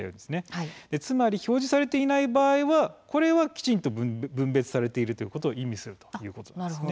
つまり表示されていない場合はきちんと分別されているということを意味するんです。